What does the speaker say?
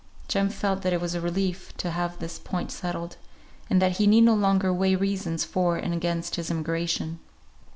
Jem felt that it was a relief to have this point settled; and that he need no longer weigh reasons for and against his emigration.